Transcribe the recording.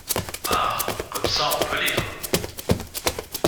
Ah ! comme ça, on peut lire !